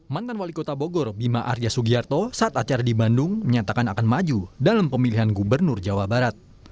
mantan wali kota bogor bima arya sugiarto saat acara di bandung menyatakan akan maju dalam pemilihan gubernur jawa barat